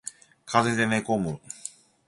風邪で寝込む